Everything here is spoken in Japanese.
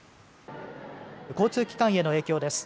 交通機関への影響です。